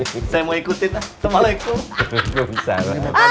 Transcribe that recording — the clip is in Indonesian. saya mau ikutin ah waalaikumsalam